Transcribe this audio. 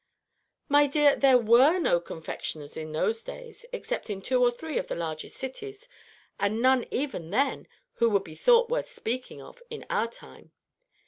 "My dear, there were no confectioners in those days except in two or three of the largest cities, and none even then who would be thought worth speaking of in our time.